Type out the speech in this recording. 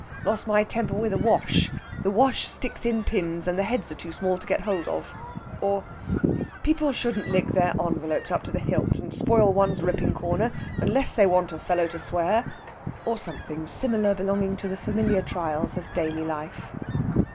Lost my temper with the Wash. The Wash sticks in pins and the heads are too small to get hold of"; or, "People shouldn't lick their envelopes up to the hilt, and spoil one's ripping corner, unless they want a fellow to swear"; or something similar belonging to the familiar trials of daily life.